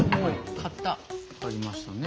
刈りましたね。